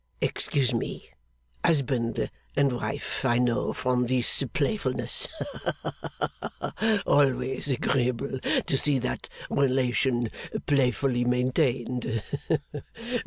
Excuse me. Husband and wife I know, from this playfulness. Haha! Always agreeable to see that relation playfully maintained.